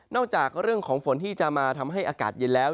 จากเรื่องของฝนที่จะมาทำให้อากาศเย็นแล้ว